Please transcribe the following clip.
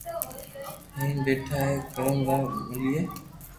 ھيم پيئا بي اي ڪوم را ملئي